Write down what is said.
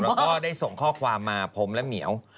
แล้วก็ได้ส่งข้อความมาผมและเหมียว